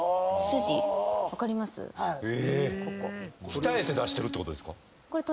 鍛えて出してるってこと？